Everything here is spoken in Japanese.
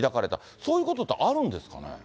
そういうことってあるんですかね。